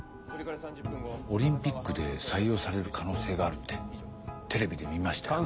オリンピックで採用される可能性があるってテレビで見ましたよ。